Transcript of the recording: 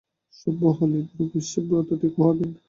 সভ্য হলেই এই বুড়োবয়সে ব্রতটি খোওয়াবেন।